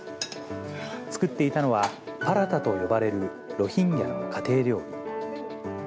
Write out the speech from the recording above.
作っていたのは、パラタと呼ばれる、ロヒンギャの家庭料理。